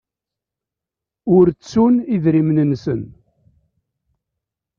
Ur ttun idrimen-nsen.